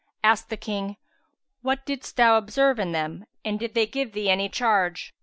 Asked the King, "What didst thou observe in them; and did they give thee any charge?"